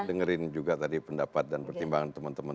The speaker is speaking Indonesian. dengerin juga tadi pendapat dan pertimbangan teman teman